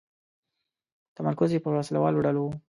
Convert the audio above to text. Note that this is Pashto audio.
تمرکز یې پر وسله والو ډلو و.